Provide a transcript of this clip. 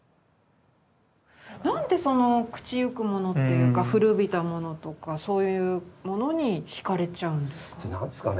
何でその朽ちゆくものっていうか古びたものとかそういうものにひかれちゃうんですか？